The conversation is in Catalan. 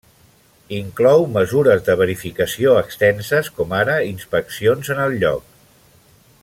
Inclou mesures de verificació extenses com ara inspeccions en el lloc.